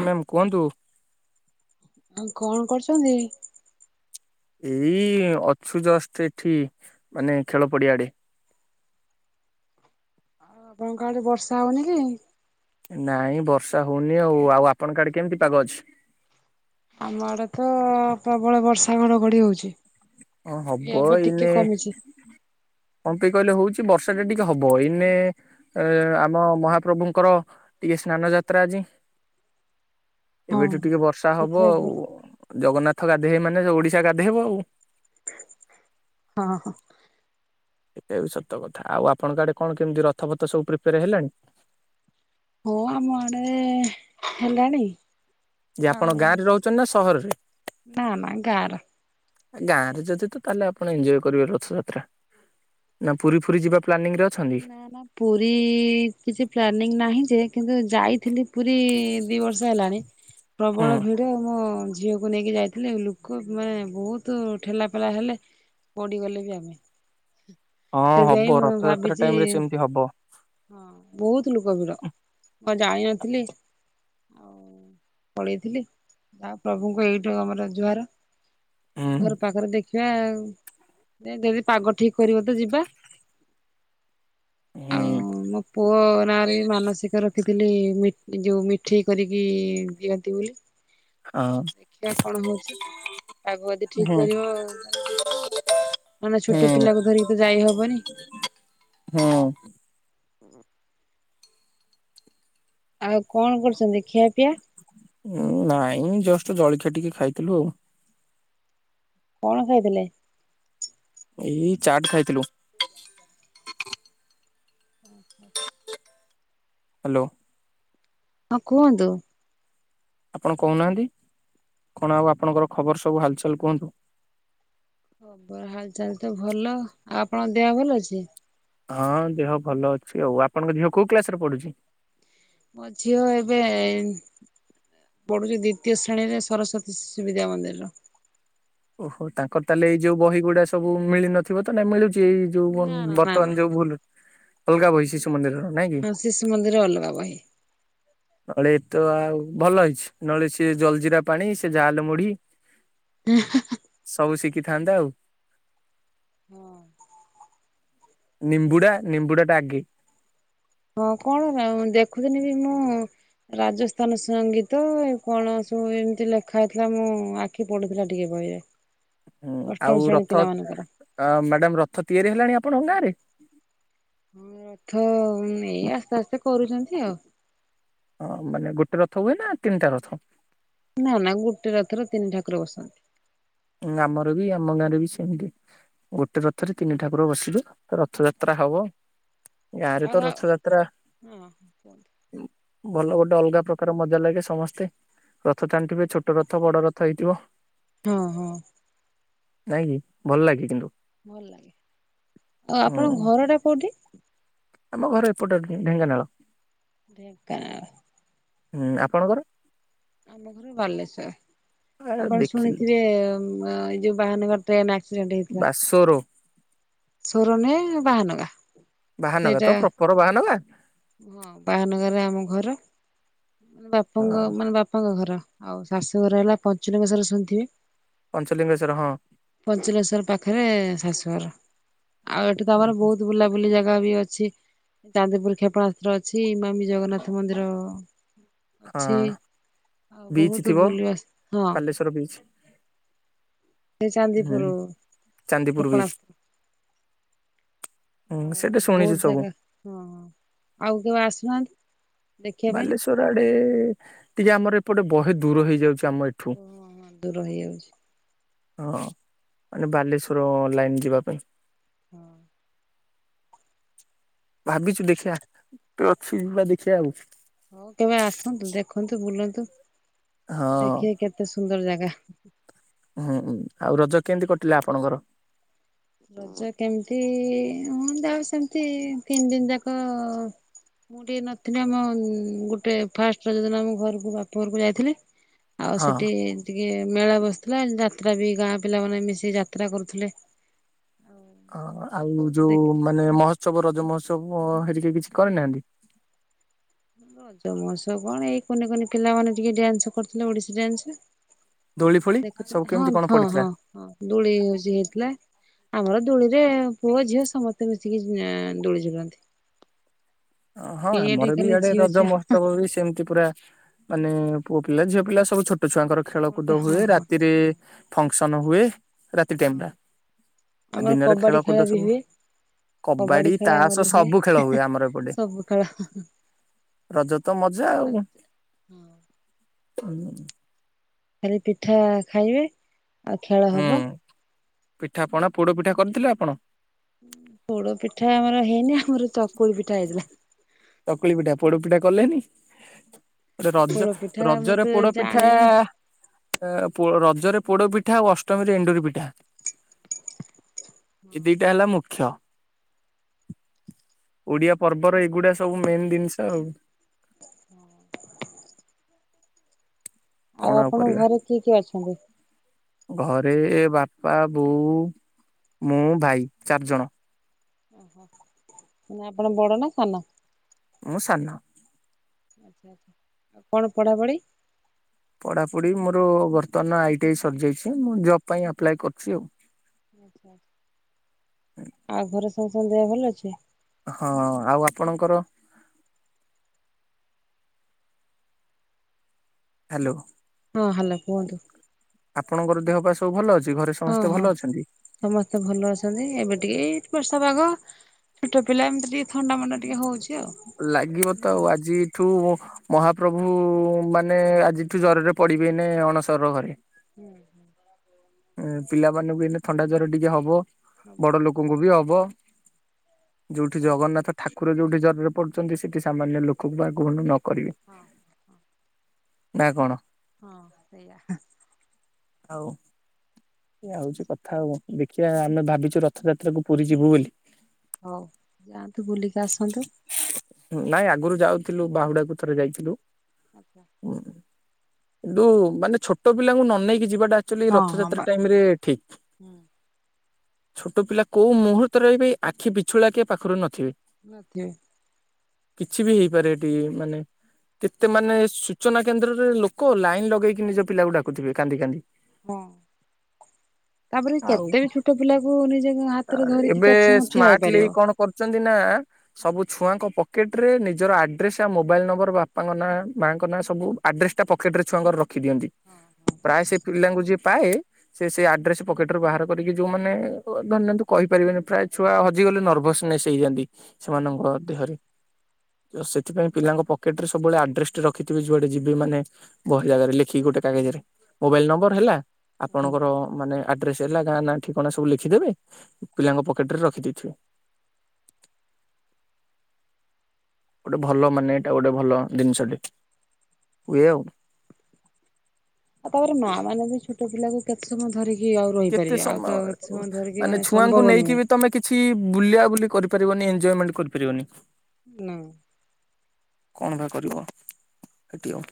ହ ମ୍ୟାାମ କୁହନ୍ତୁ। ଆଉ କଣ କରୁଚନ୍ତି? ଏଇ ଅଛୁ ଜଷ୍ଟ ଏଠି ମାନେ ଖେଳ ପଡିଆ ଆଡେ। ଆଉ ଆପଣଙ୍କ ଆଡ଼େ ବର୍ଷା ହଉନି କି? ନାଇଁ ବର୍ଷା ହଉନି ଆଉ। ଆଉ ଆପଣଙ୍କ ଆଡେ କେମତି ପାଗ ଅଛି? ଆମ ଆଡେ ତ ପ୍ରବଳ ବର୍ଷା ଘଡଘଡି ହଉଛି। ହଁ ହବ ଏବେ ଟିକେ ଏଇନେ କମିଛି କଣ କଣ ପାଇଁ କହିଲେ ହଉଛି ବର୍ଷା ଲଟା ଟିକେ ହବ। ଏଇନେ ଆମ ମହାପ୍ରଭୁଙ୍କର ଟିକେ ସ୍ନାନ ସ୍ନାନଯାତ୍ରା ଆଜି। ହଁ। ଏବେଠୁ ଟିକେ ବର୍ଷା ହବ ସେଥିପାଇଁ ଆଉ ବ ଜଗନ୍ନାଥ ଗାଧେଇବେ ମାନେ ଓଡିଶା ଗାଧେଇବ ଆଉ। ହଁ ହଁ। ଏଇଟା ବି ସତ କଥା। ଆଉ ଆପଣଙ୍କ ଆଡେ କଣ କେମତି ରଥ ପଥ ସବୁ ପ୍ରିପେୟାର ହେଲାଣି? ହଁ ଆମ ଆଡେ ହେଲାଣି ଯେ ଆଉ ଆପଣ ଗାଁରେ ରହୁଛନ୍ତି ନା ସହରରେ? ନା ନା ଗାଁର ଗାଁରେ ଯଦି ତ ତାହେଲେ ଆପଣ ଏନ୍ଜୟ କରିବେ ରଥଯାତ୍ରା। ନା ପୁରୀ ଫୁରୀ ଯିବା ପ୍ଲାନିଂ ରେ ଅଛନ୍ତି? ନା ନା ପୁରୀ କିଛି ପ୍ଲାନିଂ ନାହିଁ ଯେ କିନ୍ତୁ ଯାଇଥିଲି ପୁରୀ ଦି ବର୍ଷ ହେଲାଣି, ହୁଁ ପ୍ରବଳ ଭିଡ ମୁଁ ଝିଅକୁ ନେଇକି ଯାଇଥିଲି ଲୋକ ମାନେ ବହୁତ ଠେଲା ପେଲା ହେଲେ ପଡ଼ିଗଲେ ବି ଆମେ। ହଁ ହବ ରଥଯାତ୍ରା ଯେ ଟାଇମ ରେ ସେମିତି ହବ ହଁ ବହୁତ ଲୋକ ଭିଡ। ଜାଣିନଥିଲି ପଳେଇଥିଲି, ତା ପ୍ରଭୁଙ୍କ ଏଇଠୁ ଆମର ଜୁହାର। ଏ ହୁଁ ଘର ପାଖରେ ଦେଖିବା ଆଉ ଯଦି ପାଗ ଠିକ କରିବ ତ ଯିବା। ହୁଁ ଆଉ ମୋ ପୁଅ ନାଁରେ ବି ମାନସିକ ରଖି ଥିଲି ମି ଯୋଉ ମିଠେଇ କରିକି ଦିଅନ୍ତି ବୋଲି। ହଁ ଦେଖିବା କଣ ହଉଛି, ପାଗ ଯଦି ଠିକ ହୁଁ କରିବ ତାହେଲେ ଯିବା ଆଉ। ମାନେ ଛୋଟପିଲାକୁ ଧରିକି ତ ଯାଇ ହବନି ହଁ। ହୁଁ। ଆଉ କଣ କରୁଛନ୍ତି? ଖିଆ ପିଆ ନାଇଁ ଜଷ୍ଟ ଜଳଖିଆ ଟିକେ ଖାଇଥିଲୁ ଆଉ। କଣ ଖାଇଥିଲେ? ଏଇ ଚାଟ ଖାଇଥିଲୁ। ଉଁ ହୁଁ। ହ୍ୟାଲୋ। ହଁ କୁହନ୍ତୁ। ଆପଣ କହୁନାହାଁନ୍ତି? କଣ ଆଉ ଆପଣଙ୍କର ଖବର ସବୁ ହାଲଚାଲ କୁହନ୍ତୁ। ଖବର ହାଲ୍ ଚାଲ ତ ଭଲ। ଆଉ ଆପଣଙ୍କ ଦେହ ଭଲ ଅଛି? ହଁ, ଦେହ ଭଲ ଅଛି ଆଉ। ଆପଣଙ୍କ ଝିଅ କୋଉ କ୍ଲାସରେ ପଢୁଛି? ମୋ ଝିଅ ଏବେ ପଢୁଛି ଦ୍ଵିତୀୟ ଶ୍ରେଣୀରେ, ସରସ୍ୱତୀ ଶିଶୁ ବିଦ୍ୟା ମନ୍ଦିରର। ଓହୋ, ତାଙ୍କର ତାହେଲେ ଏଇ ଯୋଉ ବହି ଗୁଡା ସବୁ ମିଳିନଥିବ ତ ନାଇଁ ମିଳୁଛି ଏଇ ଯୋଉ ନା ନା ନା ନା ବର୍ତ୍ତମାନ ଯୋଉ ଭୁଲ ଅଲଗା ବହି ଶିଶୁ ମନ୍ଦିରର ନାଇଁ କି ହଁ ଶିଶୁ ମନ୍ଦିର ଅଲଗା ବହି। ନହେଲେ ଏଇତ ଆଉ ଭଲ ହେଇଛି ନହେଲେ ସିଏ ଜଲଜିିରା ପାଣି ସେ ଜାଲ ମୁଢି ହ। ସବୁ ଶିଖି ଥାଆନ୍ତା ଆଉ। ହଁ ନିମ୍ବୁଡ଼ା ନିମ୍ବୁଡା ଟା ଆଗେ। ହଁ କଣ ରା ଦେଖୁଥିଲି ବି ମୁଁ ରାଜସ୍ଥାନ ସଙ୍ଗୀତ କଣ ସବୁ ଏମିତି ଲେଖା ହେଇଥିଲା ମୁଁ ଆଖି ପଢୁଥିଲା ଟିକେ। ଭଳିଆ। ହୁଁ ଆଉ ରଥ ମ୍ୟାଡାମ ରଥ ତିଆରି ହେଲାଣି ଆପଣଙ୍କ ଗାଁରେ? ହଁ ରଥ ଏଇ ଆସ୍ତେ ଆସ୍ତେ କରୁଛନ୍ତି ଆଉ। ହଁ ମାନେ ଗୋଟେ ରଥ ହୁଏ ନା ତିନିଟା ରଥ? ନା ନା ଗୋଟେ ରଥରେ ତିନି ଠାକୁର ବସନ୍ତି। ନା ଆମର ବି ଆମ ଗାଁରେ ବି ସେମିତି ଗୋଟେ ରଥରେ ତିନି ଠାକୁର ବସିବେ ରଥଯାତ୍ରା ହବ ଗାଁରେ ଆଉ ତ ଆଉ ରଥଯାତ୍ରା ହଁ କୁହନ୍ତୁ ଭଲ ଗୋଟେ ଅଲଗା ପ୍ରକାର ମଜା ଲାଗେ ସମସ୍ତେ ରଥ ଟାଣିଥିବେ ଛୋଟ ରଥ ବଡ ରଥ ହେଇଥିବ। ହଁ ହଁ। ନାଇଁ କିି ଭଲ ଲାଗେ କିନ୍ତୁ। ଭଲ ଲାଗେ ଆ ହୁଁ ଆପଣଙ୍କ ଘର ଟା କୋଉଠି? ଆମ ଘର ଏପଟେ ଆଡେ ଢେଙ୍କାନାଳ। ଢେଙ୍କାନାଳ। ହୁଁ ଆପଣଙ୍କର? ଆମ ଘର ବାଲେଶ୍ଵର ଆ ଆପଣ ଦେଖିଲେ ଶୁଣିଥିବେ ଏଇ ଯୋଉ ବାହାନଗା ଟ୍ରେନ ଆ ବାସୋରୋ। ସୋର ନୁହେଁ ବାହାନଗା। ବାହାନଗା ସେଇଟା ତ ପ୍ରପର ବାହାନଗା? ହଁ ବାହାନଗରରେ ଆମ ଘର ବାପାଙ୍କ ହଁ ମାନେ ବାପାଙ୍କ ଘର। ଆଉ ଶାଶୁ ଘର ହେଲା ପଞ୍ଚନୀଙ୍ଗେଶ୍ଵର ଶୁଣିଥିବେ। ପଞ୍ଚଲିଙ୍ଗେଶ୍ଵର ହଁ ପଞ୍ଚନିଶ୍ଵର ପାଖରେ ଶାଶୁଘର। ଆଉ ଏଠି ତ ଆମର ବହୁତ ବୁଲାବୁଲି ଜାଗା ବି ଅଛି ଚାନ୍ଦିପୁର କ୍ଷେପ ପଣାସ୍ତ୍ର ଅଛି ମାମି ଜଗନ୍ନାଥ ମନ୍ଦିର ହଁ। ଅଛି। ଆଉ ବିଚ୍ ବହୁତ ଥିବ ବୁଲିବା ସ୍ଥା ନୁହଁ। [inaudible] ସେ ହୁଁ ଚାନ୍ଦିପୁରୁ ଚାନ୍ଦିପୁର ବିଚ୍ ହୁଁ କ୍ଷେପଣାସ୍ତ୍ର ଆଉ ସେଟା ଶୁଣିଛୁ ବହୁତ ସବୁ ଜାଗା ହଁ ଆଉ କେବେ ଆସୁନାହାନ୍ତି? ଦେଖିବା ପାଇଁ। ବାଲେଶ୍ଵର ଆଡେ ଟିକେ ଆମର ଏପଟେ ବହେ ଦୂର ହେଇଯାଉଛି। ଆମ ଏଠୁ ଓ ହଁ ଦୂର ହେଇଯାଉଛି। ହଁ ମାନେ ବାଲେଶ୍ଵର ଲାଇନ୍ ଯିବା ପାଇଁ। ହଁ। ଭାବିଛୁ ଦେଖିଆ ତୁ ଅଛି ଯିବା ଦେଖିଆ ଆଉ। ହଉ କେବେ ଆସନ୍ତୁ ଦେଖନ୍ତୁ ବୁଲନ୍ତୁ ହଁ ଦେଖିବେ କେତେ ସୁନ୍ଦର ଜା ଗା। ହୁଁ ହୁଁ ଆଉ ରଜ କେମିତି କଟିଲା ଆପଣଙ୍କର? ରଜ କେମିତି ହୁଁ ସେମିତି ତିନି ଦିନି ଯାକ ମୁଁ ଟିକେ ନଥିଲି ଆମ ଗୋଟେ ଫାଷ୍ଟ ରଜ ଦିନ ଆମ ଘରକୁ ବାପ ଘରକୁ ଯାଇଥିଲି। ଆଉ ହଁ ସେଠି ଟି କେ ମେଳା ବସିଥିଲା ଯାତ୍ରା ବି ଗାଁ ପିଲାମାନେ ମିଶିକି ଯାତ୍ରା କରୁଥିଲେ। ଆଉ ଅ ଆଉ ଟିକେ ଯୋଉ ଦେଖିଲି। ମାନେ ମହୋତ୍ସବ ରଜ ମହୋତ୍ସବ। ସବୁ ହେରିକା କିଛି କରିନାହାନ୍ତି? ରଜ ମହୋତ୍ସବ କଣ ଏଇ କୁନିକୁନି ପିଲା ମାନେ ଟିକେ ଡ୍ୟାନ୍ସ କରିୁଥିଲେ ଓଡିଶୀ ଡ୍ୟାନ୍ସ। ଦୋଳି ଫୋଳି ସବୁ ଦେଖୁଥିଲେ ହଁ କେମିତି କଣ ହଁ ପଡିଥିଲା ହଁ ହଁ ଦୋଳି ବେଶି ହେଇଥିଲା ଆମର ଦୋଳିରେ ପୁଅ ଝିଅ ସମସ୍ତେ ମିଶିକି ଏଁଆଁ ଦୋଳି ଝୁଲନ୍ତି। ହଁ କେହି ଏଠି ଆମର ବି ଖାଲି ଇଆଡେ ଝିଅ ରଜ ଛୁଆ ମହୋତ୍ସବ ବି ସେମିତି ପୁରା ମାନେ ପୁଅ ପିଲା ଝିଅ ପିଲା ସବୁ ଛୋଟୋ ଛୁଆଙ୍କର ସମସ୍ତେ ଖେଳକୁଦ ହଁ ହୁଏ ହଁ ରାତିରେ ହଁ ଫକ୍ସନ୍ ହୁଏ। ରାତି ହଁ। ଟାଇମ୍ ଟା ଆମର ଦିନରେ କବାଡି ଖେଳ କୁଦ ବି ସବୁ। ହୁଏ କବାଡି ଖେଳ ଆମର ତାସ ହୁଏ। ସବୁ ଖେଳ ହୁଏ ଆମର ଏପଟେ। ସବୁ ଖେଳ ରଜ ତ ମଜା ଆଉ। [unintelligible] କାଲି ପିଠା ଖାଇବେ ଆଉ ଖେଳ ହୁଁ ହବ। ପିଠା ପଣା ପୋଡୋ ପିଠା କରିଥିଲେ ଆପଣ? ଉଁ ପୋଡୋ ପିଠା ଆମର ହେଇନି ଆମର ଚକୁଳି ପିଠା ହେଇଥିଲା। ଚକୁଳି ପିଠା ପୋଡୋ ପିଠା କ ରଜ ପୋଡ ପିଠା ମୁଁ ରଜରେ ତ ପୋଡୋ ପିଠା ଜାଣିନି ଏଁ ପୋ ରଜରେ ପୋଡୋ ପିଠା ଆଉ ଅଷ୍ଟମୀରେ ଏଣ୍ଡୁରି ପିଠା। ଏ ଦିଟା ହେଲା ମୁଖ୍ୟ। ଓଡିଆ ପର୍ବର ଏଗୁଡା ସବୁ ମେନ୍ ଦିନ୍ସ ଆଉ। [unintelligible] କଣ ଆଉ ଆପଣଙ୍କ କରିବା ଘରେ କିଏ କିଏ ଅଛନ୍ତି? ଘରେ ବାପା ବୋଉ ମୁଁ ଭାଇ ଚାର୍ ଜଣ। ଓହୋ ନାଇଁ ଆପଣ ବଡ ନା ସାନ? ମୁଁ ସାନ। ଆଚ୍ଛା ଆଚ୍ଛା ଆଉ କଣ ପଢାପଢି? ପଢାପଢି ମୋରୋ ବର୍ତ୍ତମାନ ଆଇ ଟି ଆଇ ସରିଯାଇଛି ମୁଁ ଜବ୍ ପାଇଁ ଆପ୍ଲାଏ କରୁଛି ଆଉ। ଆଉ ଘରେ ସମସ୍ତଙ୍କ ଦେହ ଭଲ ଅଛି। ହଁ ଆଉ ଆପଣଙ୍କର ହାଲୋ। ହଁ ହାଲୋ କୁହନ୍ତୁ। ଆପଣଙ୍କର ଦେହ ପା ସବୁ ଭଲ ଅଛି। ଘରେ ହଁ ସମସ୍ତେ ଭଲ ହଁ ଅଛନ୍ତି? ସମସ୍ତେ ଭଲ ଅଛନ୍ତି ଏବେ ଟିକେ ଏଇ ବର୍ଷା ପାଗ ଛୋଟୋ ପିଲା ଏମିତି ଟି ଲାଗିବ ନହେଲେ ତ ଭଲ ଆଉ ଆଜିଠୁ ମହାପ୍ରଭୁ ମାନେ ଆଜିଠୁ ଜରରେ ପଡିବେ ଏଇନେ ଅଣସର ଘରେ। ହୁଁ ହୁଁ। ଏଁ ପିଲାମାନେ ବି ଏଇନା ଥଣ୍ଡା ଜର ଟିକେ ହବ ସବୁ ବଡ ଲୋକୋଙ୍କୁ ବି ହବ। ଯୋଉଠି ଜଗନ୍ନାଥ ଠାକୁର ଯୋଉଠି ଜରରେ ପଡୁଚନ୍ତି ସେଠି ସାମାନ୍ୟ ଲୋକୋଙ୍କୁ। [unintelligible] ହଁ ହଁ। ନା କଣ? ହଁ ସେଇଆ। ଆଉ ଏୟା ହୋଉଚି କଥା ଆଉ ଦେଖିଆ ଆମେ ଭାବିଛୁ ରଥଯାତ୍ରା କୁ ପୁରୀ ଯିବୁ ବୁଲି। ହୋଉ ଯାଆନ୍ତୁ ବୁଲିକି ଆସନ୍ତୁ। ନାଇଁ ଆଗୁରୁ ଯାଉଥିଲୁ ବାହୁଡାକୁ ଥରେ ଯାଇଥିଲୁ। ଆଚ୍ଛା। ଉଁ, କିନ୍ତୁ ମାନେ ଛୋଟୋ ପିଲାଙ୍କୁ ନ ନେଇକି ଯିବାଟା ଆକ୍ଚୋଲି ହଁ ରଥଯା ହଁ ତ୍ରା ବା ଟାଇମ୍ ରେ ଠିକ। ଛୋଟୋ ପିଲା କୋଉ ମୁହୂର୍ତ୍ତ ରେ ବି ଆଖି ବିଛୁଳା କେ ପାଖୁରୁ ନଥିବେ। ନଥିବେ। କିଛି ବି ହେଇପାରେ ଏଠି ମାନେ କେତେ ମାନେ ସୂଚନା କେନ୍ଦ୍ରରେ ଲୋକୋ ଲାଇନ୍ ଲଗେଇକି ନିଜ ପିଲାକୁ ଡାକୁଥିବେ କାନ୍ଦି କାନ୍ଦି। ହଁ ତାପରେ ଆଉ କେତେ ବି ଛୋଟ ପିଲା କୁ ନେଇଯାଇ ଏବେ ସ୍ମାର୍ଟଲି କଣ କରୁଛନ୍ତି ନା ସବୁ ଛୁଆଙ୍କ ପକେଟ୍ ରେ ନିଜର ଆଡ୍ରେସ ଆଉ ମୋବାଇଲ ନମ୍ବର ବାପାଙ୍କ ନାଁ ମାଙ୍କ ନାଁ ସବୁ ଆଡ୍ରେସ୍ ଟା ପକେ ଟ୍ ରେ ଛୁଆଙ୍କ ରଖି ଦିଅନ୍ତି। ହଁ ପ୍ରାୟ ସେ ପିଲାଙ୍କୁ ଯିଏ ପାଏ ସେ ସେ ଆଡ୍ରେସ୍ ପକେଟ ରୁ ବାହାର କରିକି ଯୋଉମାନେ ଧରିନିଅନ୍ତୁ କହିପାରିବେନି ପ୍ରାୟ ଛୁଆ ହଜିଗଲେ ନର୍ଭସନେସ୍ ହେଇଯାଆନ୍ତି ସେମାନଙ୍କ ଦେହରେ। ସେଥିପାଇଁ ପିଲାଙ୍କ ପକେଟ୍ ରେ ସବୁବେଳେ ଆଡ୍ରେସଟି ରଖିଥିବେ ଯୁଆଡେ ଯିବେ ମାନେ ବହେ ଜାଗାରେ ଲେଖି ଗୋଟେ କାଗଜରେ। ମୋବାଇଲ ନମ୍ବର ହେଲା ଆଉ ଆପଣଙ୍କର ମାନେ ଆଡ୍ରେସ ହେଲା ଗାଁ ନା ଠିକଣା ସବୁ ଲେଖିଦେବେ ପିଲାଙ୍କ ପକେଟ୍ ରେ ରଖି ଦେଇଥିବେ। ଗୋଟେ ଭଲ ମାନେ ଏଟା ଗୋଟେ ଭଲ ଦିନିଷ ଟେ। [unintelligible] ଆ ତାପରେ ମା ମାନେ ବି ଛୋଟ ପିଲାକୁ କେତେ ସମୟ ଧରି କେତେ ସମୟ ମାନେ ଛୁଆଙ୍କୁ ସମ୍ଭବ ନେଇକି ନୁହେଁ ବି ତମେ କିଛି ବୁଲିିଆ ବୁଲି କରିପାରିବନି ଏଞ୍ଜୟମେଣ୍ଟ କରିପାରିବନି। ନା। କଣ ବା କରିବ। ହେଠି ଆଉ।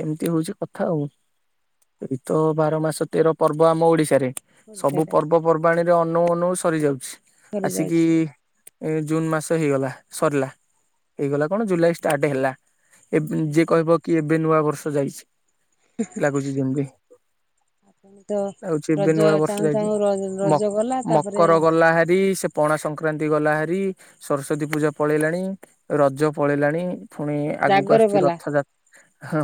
ଏମିତି ହଉଛି କଥା ଆଉ। ଏଇତ ବାର ମାସ ତେର ପର୍ବ ଆମ ଓଡିଶାରେ। ସବୁ ଓଡିଶାରେ ପର୍ବ ପର୍ବାଣ ରେ ଅନଉ ଅନଉ ସରି ଯାଉଚି। ଆସିକି ସରିଯାଉଛି ଏ ଜୁନ୍ ମାସ ହେଇଗଲା, ସରିଲା। ହେଇଗଲା କଣ ଜୁଲାଇ ଷ୍ଟାର୍ଟ ହେଲା। ଏ ଯିଏ କହିବ କି ଏବେ ନୂଆ ବର୍ଷ ଯାଇଚି। ଲାଗୁଛି ଯେମତି। ଆପଣ ତ ଲାଗୁଚି ଏବେ ରଜ ନୂଆ ବର୍ଷ ଚାହୁଁ ଯାଇଚି। ଚାହୁଁ ମ ରଜ ଗଲା ତାପରେ ମକର ଗଲା ହାରି ସେ ପଣା ସଂକ୍ରାନ୍ତି ଗଲା ହାରିି ସରସ୍ଵତୀ ପୂଜା ପଳେଇଲାଣି ରଜ ପଳେଇଲାଣି। ପୁଣି ଆଗକୁ ଜାଗର ଆସୁଛି ଗଲା ରଥଯା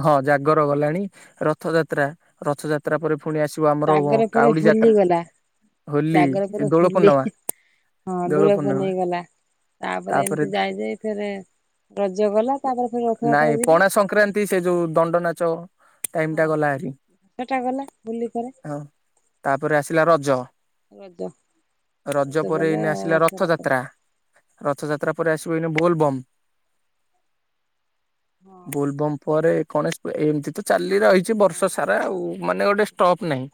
ହଁ ଯା ଜାଗର ଗଲାଣି। ରଥଯାତ୍ରା ରଥଯାତ୍ରା ପରେ ପୁଣି ଆସିବ ଆମର ଜାଗର ପରେ କାଉଡି ହୋଲି ଯାତ୍ରା। ଗଲା ହୋଲି, ଜାଗର ପରେ ଦୋଳ ହୋଲି ପୂର୍ଣ୍ଣମା ହଁ ଦୋଳପୂନେଇ ଗଲା। ତାପରେ ଏମିତି ଯାଇଯାଇ ରଜ ଗଲା, ତାପରେ ଫେରେ ନାଇଁ ରଥଯାତ୍ରା ଯିବ। ପଣା ସଂକ୍ରାନ୍ତି ସେ ଯୋଉ ଦଣ୍ଡ ନାଚ ଟାଇମ ହଁ ଟା ଗଲା ହାରି ସେଟା ଗଲା ହୋଲି ପରେ। ହଁ ତାପରେ ଆସିଲା ରଜ ରଜ ରଜ ପରେ ଏଇନା ଆସିଲା ରଥଯାତ୍ରା। ରଥଯା ତ୍ରା ତାପରେ ଆସିବ ଏଇନା ବୋଲବମ୍। ହଁ ବୋଲବମ୍ ପରେ ଗଣେଶ ପୁ ଏମିତି ତ ଚାଲି ରହିଛି ବର୍ଷ ସାରା ଆଉ ମାନେ ଗୋଟେ ଷ୍ଟପ୍ ନାହିଁ।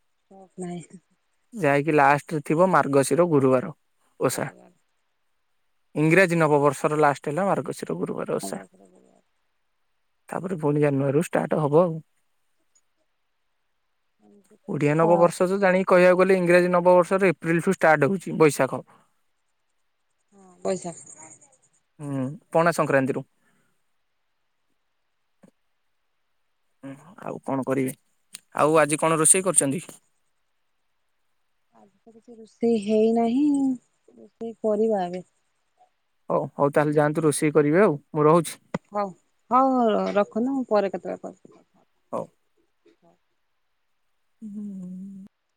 [unintelligible] ଯାହାକି ଲାଷ୍ଟରେ ଥିବ ମାର୍ଗଶିର ଗୁରୁବାର। ଓଷା ଗୁରୁବାର। ଇଂରାଜୀ ନବ ବର୍ଷର ଲାଷ୍ଟ ହେଲା ମାର୍ଗଶୀର। [unintelligible] ତାପରେ ପୁଣି ଜାନୁଆରୀରୁ ଷ୍ଟାର୍ଟ ହବ ଆଉ। ଏମିତି ଓଡିଆ କଥା ନବ ଆଉ ବର୍ଷ ତ ଜାଣିକି କହିବାକୁ ଇଂରାଜୀ ନବବର୍ଷର ଏପ୍ରିଲ ଠୁ ଷ୍ଟାର୍ଟ ହଉଛି ବୈଶାଖ। ହଁ ବୈଶାଖ। ହୁଁ, ପଣା ସଂକ୍ରାନ୍ତି ରୁ। ହୁଁ ଆଉ କଣ କରିବି। ଆଉ ଆଜି କଣ ରୋଷେଇ କରିଛନ୍ତି? ଆଜିି ତ କିଛି ରୋଷେଇ ହେଇନାହିଁ। ରୋଷେଇ କରିବା ଏବେ। ହଉ ହଉ ତାହେଲେ ଯାଆନ୍ତୁ ରୋଷେଇ କରିବେ ଆଉ ମୁଁ ରହୁଛି। ହଉ ହଉ ହଉ ରଖନ୍ତୁ ମୁଁ ପରେ କେତେବେଳେ କରିବି। ହଉ। ହୁଁ।